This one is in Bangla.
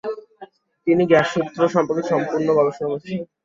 তিনি গ্যাস সূত্র সম্পর্কে সম্পূর্ণ গবেষণা করেছিলেন।